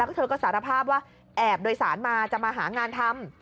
ก็เธอก็สารภาพว่าแอบโดยสารมาจะมาหางานทำ